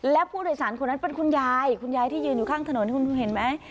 และผู้โดยสารคนนั้นเป็นคุณยายคุณยายที่ยืนอยู่ข้างถนนคุณเห็นไหม